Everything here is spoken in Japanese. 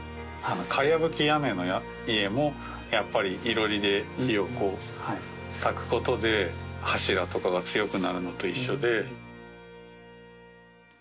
かやぶき屋根の家もやっぱり囲炉裏で火を焚くことで柱とかが強くなるのと一緒で。